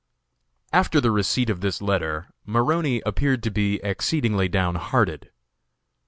After the receipt of this letter, Maroney appeared to be exceedingly down hearted.